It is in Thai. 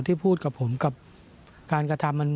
พูดกับผมกับการกระทำ